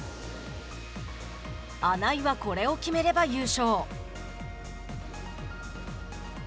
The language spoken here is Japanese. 穴井は、これを決めれば優勝。